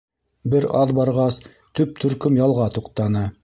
Бер аҙ барғас, төп төркөм ялға туҡтаны.